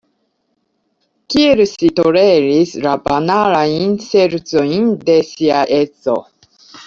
Kiel ŝi toleris la banalajn ŝercojn de sia edzo?